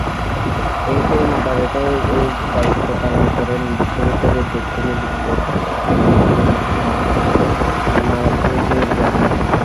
এতে মডারেটরের দায়িত্ব পালন করেন বিশ্ববিদ্যালয়ের ডেপুটি রেজিস্ট্রার মোহাম্মদ মাসুদুর রহমান।